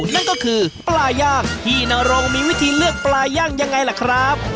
นั่นก็คือปลาย่างพี่นรงมีวิธีเลือกปลาย่างยังไงล่ะครับ